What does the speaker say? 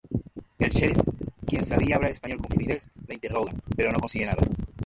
El sheriff, quien sabía hablar español con fluidez, la interroga, pero no consigue nada.